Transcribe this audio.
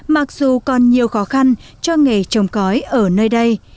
mặc dù còn nhiều khó khăn cho nghề trồng cõi ở nơi đây